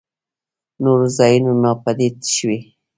نورو ځايونو ناپديد شوي.